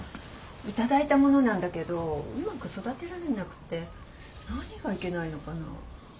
頂いたものなんだけどうまく育てられなくて何がいけないのかな？